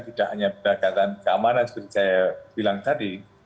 tidak hanya pendekatan keamanan seperti saya bilang tadi